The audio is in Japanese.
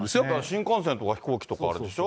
新幹線とか飛行機とかあれでしょ。